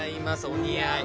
お似合い。